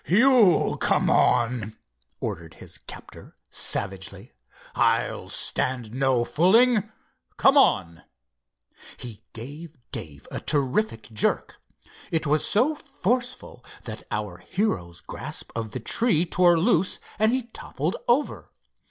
"You come on," ordered his captor, savagely. "I'll stand no fooling. Come—on!" He gave Dave a terrific jerk. It was so forceful that our hero's grasp of the tree tore loose, and he toppled over.